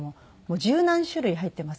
十何種類入っています